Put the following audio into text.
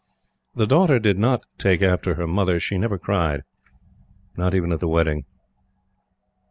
The daughter did not take after her mother. She never cried. Not even at the wedding.